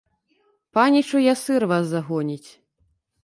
Паніч ў ясыр вас загоніць!